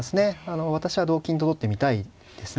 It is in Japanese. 私は同金と取ってみたいですね。